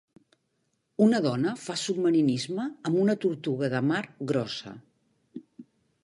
Una dona fa submarinisme amb una tortuga de mar grossa.